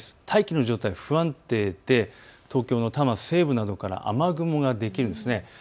大気の状態不安定で東京の多摩西部などから雨雲ができるんです。